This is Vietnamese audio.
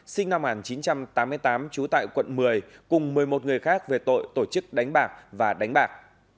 sinh năm một nghìn chín trăm tám mươi tám trú tại quận một mươi cùng một mươi một người khác về tội tổ chức đánh bạc và đánh bạc